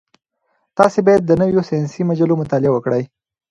تاسي باید د نویو ساینسي مجلو مطالعه وکړئ.